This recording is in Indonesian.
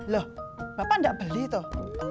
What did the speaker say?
loh bapak gak beli toh